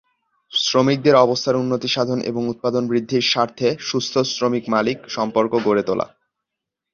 শ্রমিকদের অবস্থার উন্নতি সাধন এবং উৎপাদন বৃদ্ধির স্বার্থে সুস্থ শ্রমিক-মালিক সম্পর্ক গড়ে তোলা।